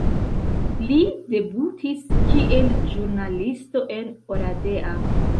Li debutis kiel ĵurnalisto en Oradea.